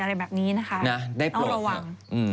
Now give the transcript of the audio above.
อะไรแบบนี้นะคะต้องระวัง